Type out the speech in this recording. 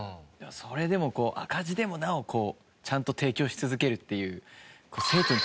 それでも赤字でもなおこうちゃんと提供し続けるっていう。